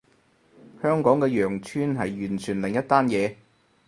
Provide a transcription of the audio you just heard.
香港嘅羊村係完全另一單嘢